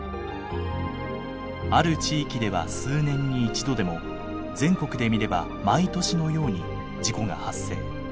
ある地域では数年に一度でも全国で見れば毎年のように事故が発生。